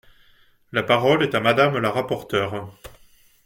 La parole est à Madame la rapporteure.